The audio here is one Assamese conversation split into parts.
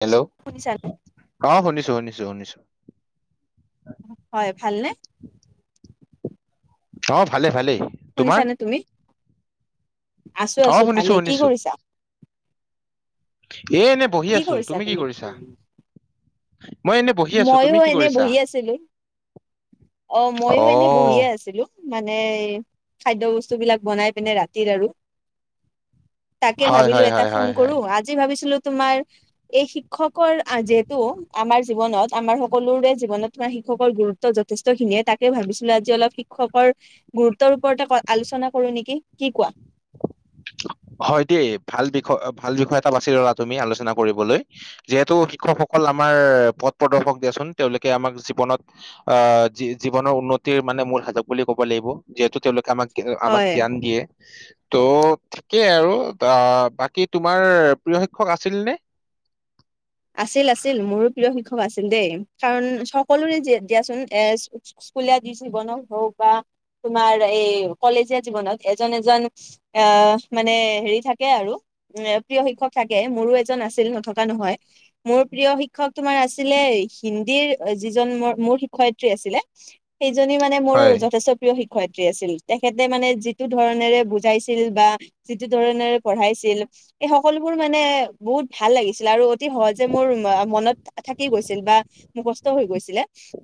হেল্ল' শুনিছানে অ শুনিছো শুনিছো শুনিছো হয় ভালনে অ ভালে ভালেই তোমাৰ শুনিছানে তুমি আছো অ আছো শুনিছো ভালে কি শুনিছো কৰিছা? এ এনে বহি কি আছো তুমি কি কৰিছা মই এনে বহি আছো তুমি মইও কি এনে কৰিছা বহি আছিলো অ মইও এনে বহিয়ে আছিলো মানে খাদ্য বস্তু বিলাক বনাই পিনে ৰাতিৰ আৰু তাকে হয় ভাবিলো হয় এটা হয় ফোন হয় কৰো হয় আজ আ ভাবিছিলো তোমাৰ এই শিক্ষকৰ যিহেতু আমাৰ জীৱনত আমাৰ সকলোৰে জীৱনত থোৱা শিক্ষকৰ গুৰুত্ব যথেষ্ট খিনিয়ে তাকে ভাবিছিলো আজি অলপ শিক্ষকৰ গুৰুত্বৰ ওপৰতে আলোচনা কৰো নেকি কি কোৱা হয় দেই ভাল বিষয় ভাল বিষয় এটা বাছি ললা তুমি আলোচনা কৰিবলৈ যিহেতু শিক্ষকসকল আমাৰ পথ প্ৰদৰ্শক দিয়াচোন তেওঁলোকে আমাক জীৱনত আহি জীৱনৰ উন্নতিৰ মানে মূল সাজু বুলি ক'ব লাগিব যিহেতু তেওঁলোকে আমাক আমাক হয় জ্ঞান দিয়ে ত' ঠিকেই আৰু বাকী তোমাৰ প্ৰিয় শিক্ষক আছিল নে আছিল আছিল মোৰো প্ৰিয় শিক্ষক আছিল দেই কাৰণ সকলোৰে দিয়াচোন এ স্কুলীয়া জীৱনত হওক বা তোমাৰ এই কলেজীয়া জীৱনত এজন এজন আহ মানে হেৰি থাকে আৰু এ প্ৰিয় শিক্ষক থাকে মোৰো এজন আছিল নথকা নহয় মোৰ প্ৰিয় শিক্ষক তোমাৰ আছিলে, হিন্দীৰ যিজন মোৰ শিক্ষয়িত্ৰী আছিলে। সেইজনে মানে মোৰ হয় যথেষ্ট প্ৰিয় শিক্ষক য়িত্ৰী আছিল, তেখেতে মানে যিটো ধৰণেৰে বুজাইছিল বা, যিটো ধৰণেৰে পঢ়াইছিল, এই সকলোবোৰ মানে বহুত ভাল লাগিছিল আৰু- অতিসহজে মোৰ মনত থাকি গৈছিল বা মোৰ কষ্ট হৈ গৈছিলে।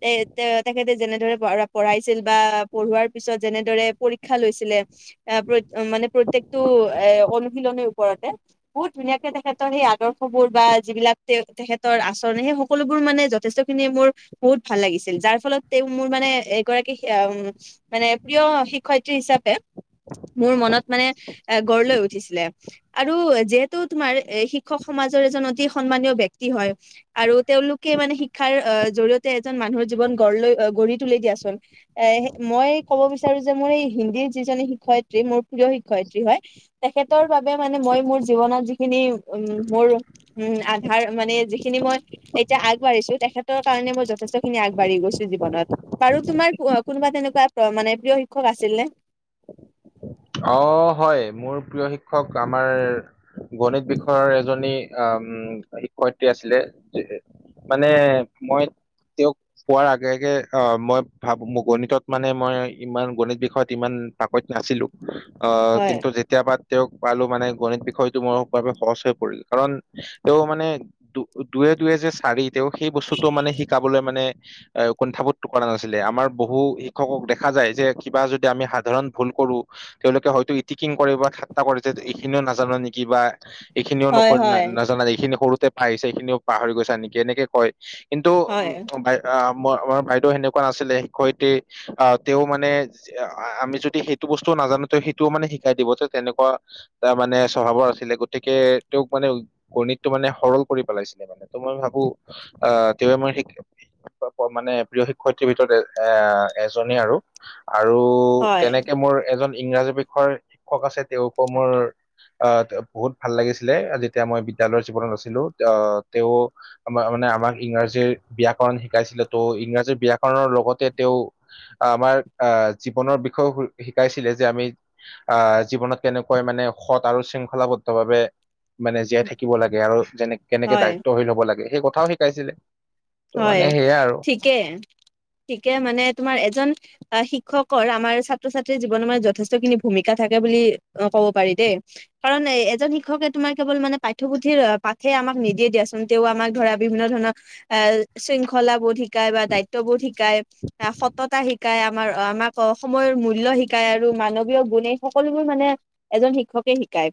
এ তে তেখেতে যেনেদৰে পঢ়াইছিল বা পঢ়োৱাৰ পিছত যেনেদৰে পৰীক্ষা লৈছিলে, মানে প্ৰত্যেকটো এ অনুশীলনীৰ ওপৰতে, বহুত ধুনীয়াকে তেখেতৰ সেই আদৰ্শ বোৰ বা, যিবিলাক তে তেখেতৰ আচৰণ সেই সকলোবোৰ মানে যথেষ্টখিনি মোৰ, বহুত ভাল লাগিছিল, যাৰ ফলত তেওঁ মোৰ মানে এগৰাকী- মানে প্ৰিয় শিক্ষয়িত্ৰী হিচাপে মোৰ মনত, মানে গঢ় লৈ উঠিছিলে আৰু যিহেতু তোমাৰ এ শিক্ষক সমাজৰ এজন অতি সন্মানীয় ব্যক্তি হয়। আৰু তেওঁলোকে মানে শিক্ষাৰ জৰিয়তে এজন মানুহৰ জীৱন গঢ় লৈ, গঢ়ি তুলি দিয়েচোন, এ মই কব বিচাৰো যে মোৰ এই হিন্দীৰ যিজনী শিক্ষয়িত্ৰী, মোৰ প্ৰিয় শিক্ষয়িত্ৰী হয়। তেখেতৰ বাবে মানে মই মোৰ জীৱনত যিখিনি মোৰ- উম্, আধাৰ মানে যিখিনি মই- এতিয়া আগবাঢ়িছো, তেখেতৰ কাৰণে মই যথেষ্টখিনি আগবাঢ়ি গৈছোঁ জীৱনত। বাৰু তোমাৰ কোনোবা তেনেকুৱা মানে প্ৰিয় শিক্ষক আছিল নে? অ' হয়, মোৰ প্ৰিয় শিক্ষক আমাৰ। গণিত বিষয়ৰ এজনী আহ্ শিক্ষয়িত্ৰী আছিলে। মানে মই তেওঁক- পোৱাৰ আগে আগে অ', মই ভাবো মই গণিতত মানে মই ইমান গণিত বিষয়ত ইমান প্ৰাকৈত নাছিলোঁ। অ', হয় কিন্তু যে। যেতিয়াবা তেওঁক পালো মানে গণিত বিষয়টো মোৰ বাবে সহজ হৈ পৰিল, কাৰণ তেওঁ মানে- দুয়ে দুয়ে যে চাৰি, তেওঁ সেই বস্তুটো মানে শিকাবলৈ মানে- এ কুণ্ঠাবোধ কৰা নাছিলে, আমাৰ বহু শিক্ষকক দেখা যায় যে, কিবা যদি আমি সাধাৰণ ভুল কৰোঁ। তেওঁলোকে হয়তো ইটিকিং কৰে বা ঠাট্টা কৰে যে, এইখিনিও নাজানা নেকি বা। এইখিনিও নক হয় হয় নাজানা, এইখিনি সৰুতে পাই আহিছা, এইখিনিও পাহৰি গৈছাঁ নেকি এনেকে কয়। কিন্তু হয় উম্ আহ্ আমাৰ বাইদেউ তেনেকুৱা নাছিলে, শিক্ষয়ত্ৰী আহ্ তেওঁ মানে, আমি যদি সেইটো বস্তু নাজানোঁ, তেওঁ সেইটোও মানে শিকাই দিব যে তেনেকুৱা, তাৰ মানে স্বভাৱৰ আছিলে, গতিকে তেওঁক মানে গণিতটো মানে সৰল কৰি পেলাইছিলে। ত মই ভাবোঁ অ', তেওঁ আমাৰ শিক্ষ মানে প্ৰিয় শিক্ষয়িত্ৰীৰ ভিতৰত এ এজনীয়ে আৰু, আৰু হয় তেনেকে মোৰ এজন ইংৰাজী বিষয়ৰ শিক্ষক আছে, তেওঁকো মোৰ- অ', বহুত ভাল লাগিছিলে, যেতিয়া মই বিদ্যালয়ৰ জীৱনত আছিলোঁ, অ', তেওঁ- আমাৰ মানে, আমাক ইংৰাজীৰ ব্যায়কৰণ শিকাইছিলে, ত' ইংৰাজীৰ ব্যায়কৰণৰ লগতে তেওঁ- আমাৰ আহ্ জীৱনৰ বিষয়েও- শিকাইছিলে যে আমি অ', জীৱনত কেনেকৈ মানে সৎ আৰু শৃংখলাবদ্ধ ভাৱে, মানে জীয়াই থাকিব লাগে আৰু যেনে কেনেকে হয় দায়িত্বশীল হ'ব লাগে, সেই কথাও শিকাইছিলে। ত' হয় মানে সেয়াই আৰু ঠিকে, ঠিকে মানে তোমাৰ এজন- আহ্ শিক্ষকৰ আমাৰ ছাত্ৰ-ছাত্ৰীৰ জীৱনৰ মান যথেষ্টখিনি ভূমিকা থাকে বুলি ক'ব পাৰি দেই। কাৰণ এজন শিক্ষকে তোমাৰ কেৱল মানে পাঠ্যপুথিৰ পাঠে আমাক নিদিয়ে দিয়াচোন। তেওঁ আমাক ধৰা বিভিন্ন ধৰণৰ, আহ্ শৃংখলাবোৰ শিকাই বা দায়িত্ব বোৰ শিকায়, সততা শিকায়। শিকাই আমাৰ আমাক সময়ৰ মূল্য শিকাই আৰু মানৱীয় গুণ এই সকলোবোৰ মানে- এজন শিক্ষকে শিকায়।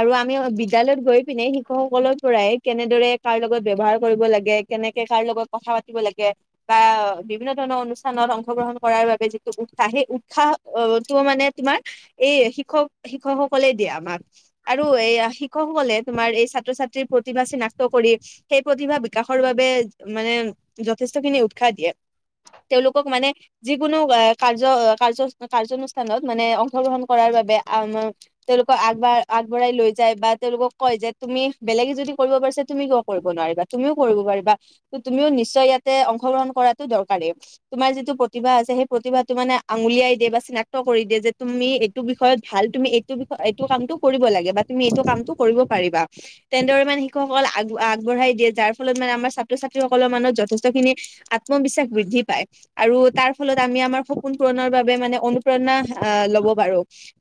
আৰু আমি বিদ্যালয়ত গৈ পিনে শিক্ষকসকলৰ পৰাই কেনেদৰে কাৰ লগত ব্যৱহাৰ কৰিব লাগে, কেনেকে কাৰ লগত কথা পাতিব লাগে, বা বিভিন্ন ধৰণৰ অনুষ্ঠানত অংশগ্ৰহণ কৰাৰ বাবে যিটো উৎসাহ, সেই উৎসাহটো মানে তোমাৰ, এই শিক্ষক শিক্ষকসকলে দিয়ে আমাক আৰু এই শিক্ষকসকলে তোমাৰ এই ছাত্ৰ ছাত্ৰীৰ প্ৰতিভা চিনাক্ত কৰি সেই প্ৰতিভা বিকাশ বাবে মানে যথেষ্ট খিনি উৎসাহ দিয়ে তেওঁলোকক মানে যিকোনো কাৰ্য কাৰ কাৰ্যঅনুষ্ঠানত মানে অংশগ্ৰহণ কৰাৰ বাবে তেওঁলোকক আগবঢ় আগবঢ়াই লৈ যায় বা তেওঁলোকক কয় যে তুমি বেলেগে যদি কৰিব পাৰিছে তুমি ক কৰিব নোৱাৰিবা তুমিও কৰিব পাৰিবা ত তুমিও নিশ্চয় ইয়াতে অংশগ্ৰহণ কৰাতটো দৰকাৰেই তোমাৰ যিটো প্ৰতিভা আছে সেই প্ৰতিভাটো মানে আঙুলিয়াই দিয়ে বা চিনাক্ত কৰি দিয়ে যে তুমি এইটো বিষয়ত ভাল তুমি এইটো বিষয় এইটো কামটো কৰিব লাগে বা তুমি এইটো কামটো কৰিব পাৰিবা তেনেদৰে মানে শিষকসকলক আগ আগবঢ়াই দিয়ে যাৰ ফলত মানে আমাৰ ছাত্ৰ ছাত্ৰীসকলৰ মনত যথেষ্টখিনি আত্মবিশ্বাস বৃদ্ধি পায় আৰু তাৰ ফলত আমি আমাৰ সপোন পুৰণৰ বাবে মানে অনুপ্ৰেৰণা আহ লব পাৰো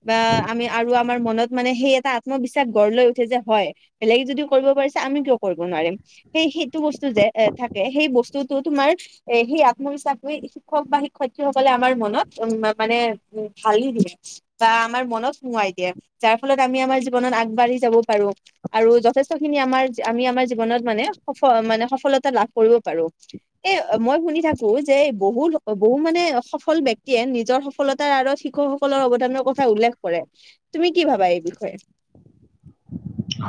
বা আমি আৰু আমাৰ মনত মানে সেই এটা আত্মবিশ্বাস গঢ় লৈ উঠে যে হয় বেলেগে যদি কৰিব পাৰিছে আমি কিয় কৰিব নোৱাৰিম সেই সেইটো বস্তু যে এ থাকে সেই বস্তুতটো তোমাৰ এ সেই আত্মবিশ্বাস হৈ শিক্ষক বা শিক্ষয়িত্ৰীসকলে আমাৰ মনত উ মানে ভালি দিলে বা আমাৰ মনত সোৱাই দিয়ে যাৰ ফলত আমি আমাৰ জীৱনত আগবাঢ়ি যাব পাৰো আৰু যথেষ্ট খিনি আমাৰ আমি আমাৰ জীৱনত মানে সফ মানে সফলতা লাভ কৰিব পাৰো এ মই শুনি থাকো যে বহু বহু মানে সফল ব্যক্তিয়ে নিজৰ সফলতাৰ আৰত শিক্ষকসকলৰ অৱদানৰ কথা উল্লেখ কৰে তুমি কি ভাবা এই বিষয়ে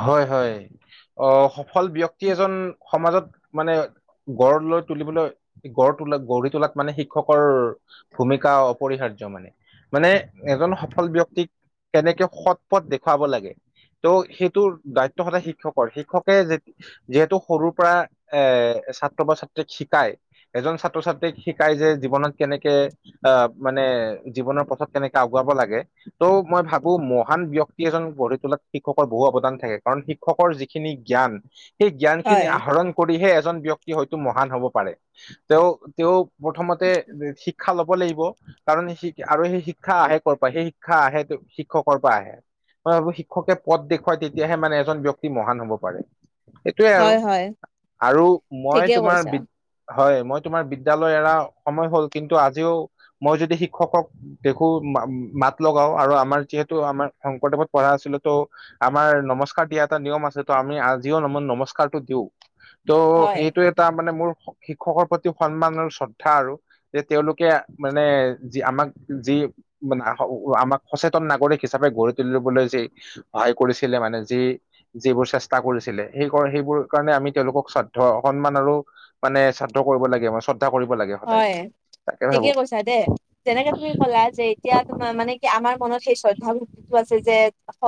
হয় হয় অ সফল ব্যক্তি এজন সমাজত মানে গড় লৈ তুলিবলৈ গড় তোলা গঢ়ি তোলাত মানে শিক্ষকৰ ভূমিকা অপৰিহাৰ্য মানে মানে এজন সফল ব্যক্তিক কেনেকে সৎ পথ দেখুৱাব লাগে ত' সেইটোৰ দায়িত্ব সদায় শিক্ষকৰ শিক্ষকে যে যিহেতু সৰুৰ পৰা এ ছাত্ৰ বা ছাত্ৰীক শিকায় এজন ছাত্ৰ ছাত্ৰীক শিকায় যে জীৱনত কেনেকে আহ মানে জীৱনৰ পথত কেনেকে আগুৱাব লাগে ত মই ভাবো মহান ব্যক্তি এজন গঢ়ি তোলা তিক শিক্ষকৰ বহু অৱদান থাকে কাৰণ শিক্ষকৰ যিখিনি জ্ঞান সেই জ্ঞান খিনি হয় আহৰণ কৰিহে এজন ব্যক্তি হয়তো মহান হ'ব পাৰে তেওঁ তেওঁ প্ৰথমতে শ শিক্ষা ল'ব লাগিব কাৰণ স আৰু সেই শিক্ষা আহে কৰ'ৰ পৰা সেই শিক্ষা আহে শিক্ষকৰ পৰা আহে মই ভাবো শিক্ষকে পদ দেখুৱাই তেতিয়াহে মানে এজন ব্যক্তি মহান হব পাৰে এইটোৱে আৰু হয় হয় আৰু মই ঠিকে তোমাৰ কৈছা বিদ হয় মই তোমাৰ বিদ্যালয় এৰা সময় হ'ল কিন্তু আজিও মই যদি শিক্ষকক দেখো মাত লগাও আৰু আমাৰ যিহেতু আমাৰ শংকৰদেৱত পঢ়া আছিলো তো আমাৰ নমস্কাৰ দিয়া এটা নিয়ম আছে তো আমি আজিও ন নমস্কাৰটো দিও ত' হয় এইটো এটা মানে মোৰ শিক্ষকৰ প্ৰতি সন্মান আৰু শ্ৰদ্ধা আৰু যে তেওঁলোকে মানে যি আমাক যি মানে আমাক সচেতন নাগৰিক হিচাপে গঢ়ি তুলিবলৈ যে ভায় কৰিছিলে মানে যি যিবোৰ চেষ্টা কৰিছিলে সেই সেইবোৰ কাৰণে আমি তেওঁলোকক শ্ৰাদ্ধা সন্মান আৰু মানে ছাত্ৰ কৰিব লাগে আমাৰ কৰিব লাগে সদায় হয় তাকে ঠিকে ভাবো কৈছা দেই তেনেকে তুমি ক'লা যে এতিয়া তোম মানে কি আমাৰ মনত সেই শ্ৰদ্ধা ভক্তিটো আছে যে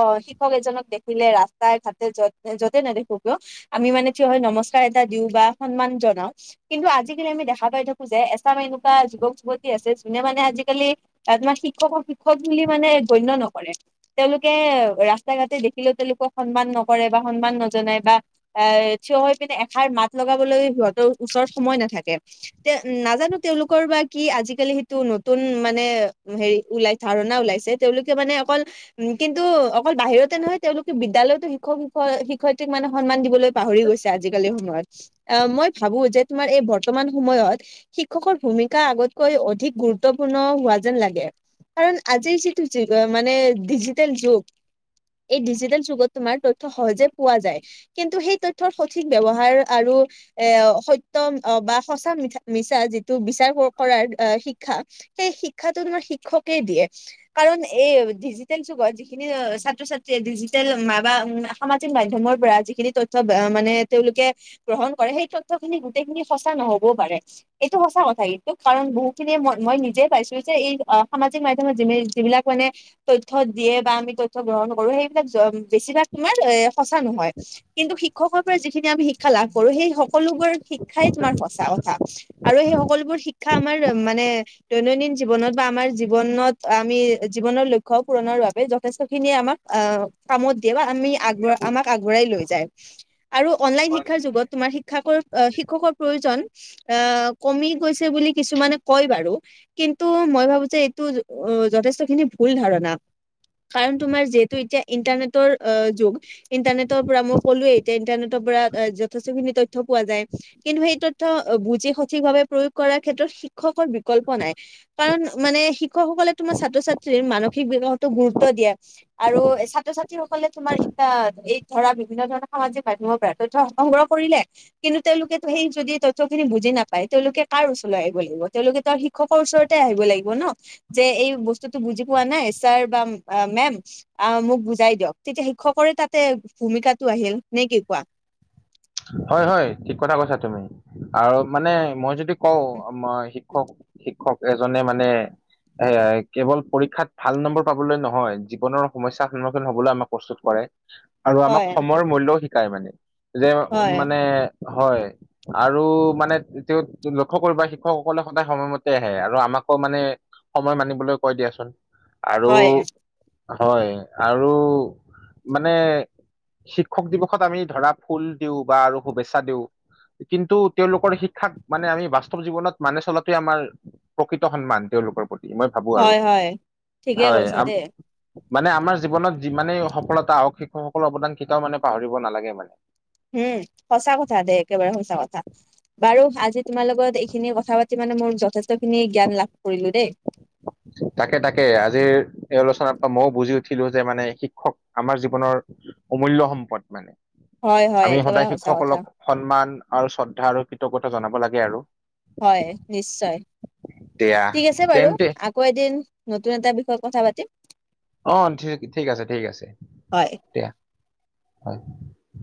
অ শিক্ষক এজনক দেখিলে ৰাস্তাই ঘাটে য'ত য'তে নেদেখো কিয় আমি মানে কি হয় নমস্কাৰ এটা দিও বা সন্মান জনাও কিন্তু আজিকালি আমি দেখা পাই থাকো যে এছাম এনেকুৱা যুৱক যুৱতী আছে যোনে মানে আজিকালি তাত তোমাৰ শিক্ষকক শিক্ষক বুলি মানে গণ্য নকৰে তেওঁলোকে ৰাস্তা ঘাটে দেখিলেও তেওঁলোকক সন্মান নকৰে বা সন্মান নজনায় বা এ থিয় হৈ পিনে এষাৰ মাত লগাবলৈ সিহঁতৰ ওচৰত সময় নাথাকে। তে নাজানো তেওঁলোকৰ বা কি আজিকালি সেইটো নতুন মানে হেৰি ওলাই ধাৰণা ওলাইছে, তেওঁলোকে মানে অকল উ কিন্তু অকল বাহিৰতে নহয়, তেওঁলোকে বিদ্যালয়তো শিক্ষক শিক্ষয়িত্ৰীক মানে সন্মান দিবলৈ পাহৰি গৈছে। আজিকালিৰ সময়ত আহ মই ভাবো যে তোমাৰ এই বৰ্তমান সময়ত শিক্ষকৰ ভূমিকা আগতকৈ অধিক গুৰুত্বপূৰ্ণ হোৱা যেন লাগে। কাৰণ আজি যিটো যুগৰ মানে ডিজিটেল যুগ। এই ডিজিটেল যুগত তোমাৰ তথ্য সহজে পোৱা যায়। কিন্তু সেই তথ্যৰ সঠিক ব্যৱহাৰ আৰু এ সত্যম বা সঁচা মিছা মিছা যিটো বিচাৰ কৰাৰ শিক্ষা, সেই শিক্ষাটো তোমাৰ শিক্ষকেই দিয়ে। কাৰণ এই ডিজিটেল যুগত যিখিনি ছাত্ৰ ছাত্ৰীয়ে ডিজিটেল মা সামাজিক মাধ্যমৰ পৰা যিখিনি তথ্য মানে তেওঁলোকে গ্ৰহণ কৰে সেই তথ্যখিনি গোটেইখিনি সঁচা নহ'বও পাৰে। এইটো সঁচা কথা, এইটো কাৰণ বহুতখিনিয়ে মই মই নিজে পাইছো, যে এই সামাজিক মাধ্যমত যোনে যিবিলাক মানে তথ্য দিয়ে বা আমি তথ্য গ্ৰহণ নকৰো সেইবিলাক বেছিভাগ তোমাৰ সঁচা নহয়, কিন্তু শিক্ষকত যিখিনি আমি শিক্ষা লাভ কৰো সেই সকলোবোৰ শিক্ষাই তোমাৰ সঁচা কথা। আৰু সেই সকলোবোৰ শিক্ষা আমাৰ মানে দৈনন্দিন জীৱনত বা আমাৰ জীৱনত আমি জীৱনৰ লক্ষ্য পূৰণৰ বাবে যথেষ্ট খিনিয়ে আমাক অ' কামত দিয়ে, বা আমি আমাক আগবঢ়াই লৈ যায়, আৰু অনলাইন শিক্ষাৰ যুগত তোমাৰ শিক্ষাক শিক্ষকৰ প্ৰয়োজন আহ কমি গৈছে বুলি কিছুমানে কয় বাৰু। কিন্তু মই ভাবো যে এইটো যথেষ্ট খিনি ভুল ধাৰণা কাৰণ তোমাৰ যিহেতু এতিয়া ইন্টাৰনেটৰ যুগ। ইণ্টাৰনেটৰ পৰা মই ক'লোৱেই এতিয়া ইণ্টাৰনেটৰ পৰা যথেষ্টখিনি তথ্য পোৱা যায়। কিন্তু সেই তথ্য বুজি সঠিকভাৱে প্ৰয়োগ কৰাৰ ক্ষেত্ৰত শিক্ষকৰ বিকল্প নাই। কাৰণ মানে শিক্ষকসকলে তোমাৰ ছাত্ৰ ছাত্ৰীৰ মানসিক বিকাশতো গুৰুত্ব দিয়া। আৰু ছাত্ৰ ছাত্ৰীসকলে তোমাৰ এই ধৰা বিভিন্ন ধৰণৰ সামাজিক মাধ্যমৰ পৰা তথ্য সংগ্ৰহ কৰিলে, কিন্তু তেওঁলোকে সেই যদি ত থ্য খিনি বুজি নাপায়, তেওঁলোকে কাৰ ওচৰলৈ আহিব লাগিব? তেওঁলোকে তো শিক্ষকৰ ওচৰতে আহিব লাগিব ন। যে এই বস্তুটো বুজি পোৱা নাই ছাৰ বা মেম অ' মোক বুজাই দিয়ক। তেতিয়া শিক্ষকৰে তাতে ভূমিকাটো আহিল নে কি কোৱা? হয়, হয় ঠিক কথা কৈছা তুমি। আৰু মানে মই যদি কওঁ আ শিক্ষক শিক্ষক এজনে মানে এ কেৱল পৰীক্ষাত ভাল নম্বৰ পাবলৈ নহয় জীৱনৰ সমস্যাৰ সন্মুখীন হবলৈ আমাক প্ৰস্তুত কৰে। আৰু আমাক হয় সময়ৰ মূল্যও শিকায় মানে, যে হয় মানে হয়। আৰু মানে তেওঁ লক্ষ কৰিবা শিক্ষকসকলে সদায় সময়মতে আহে, আৰু আমাকো মানে সময় মানিবলৈ কৈ দিয়াচোন। আৰু হয় হয়, আৰু মানে শিক্ষক দিৱসত আমি ধৰা ফুল দিওঁ বা আৰু শুভেচ্ছা দিওঁ কিন্তু তেওঁলোকৰ শিক্ষাক মানে আমি বাস্তৱ জীৱনত মানে চলাতোৱে আমাৰ প্ৰকৃত সন্মান তেওঁলোকৰ প্ৰতি মই ভাবো আৰু, হয় হয় ঠিকেই হয়। কৈছা দেই মানে আমাৰ জীৱনত যিমানেই সফলতা আহক শিক্ষক সকলৰ অৱদান কেতিয়াও মানে পাহৰিব নালাগে মানে। উম সঁচা কথা দে একেবাৰে সঁচা কথা। বাৰু আজি তোমাৰ লগত এইখিনি কথা পাতি মানে মোৰ যথেষ্ট খিনি জ্ঞান লাভ কৰিলো দেই। তাকে তাকে আজিৰ এই আলোচনাৰ পৰা মইও বুজি উঠিলো যে মানে শিক্ষক আমাৰ জীৱনৰ অমূল্য সম্পদ মানে। হয় হয় আমি একেবাৰে সদায় সঁচা কথা শিক্ষসকলক সন্মান আৰু শ্ৰদ্ধা আৰু কৃতজ্ঞতা জনাব লাগে আৰু। হয়, নিশ্চয় দিয়া ঠিক আছে বাৰু তেন্তে কৌ এদিন নতুন এটা বিষয়ত কথা পাতিম। অ', ঠিক, ঠিক আছে, ঠিক আছে, হয় দিয়া, হয়।